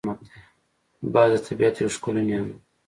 باز د طبیعت یو ښکلی نعمت دی